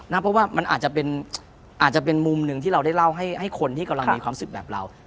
เพราะว่ามันอาจจะเป็นมุมหนึ่งที่เราได้เล่าให้คนที่กำลังมีความสุขแบบเรา